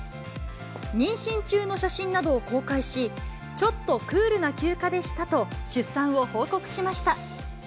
妊娠中の写真などを公開し、ちょっとクールな休暇でしたと、出産を報告しました。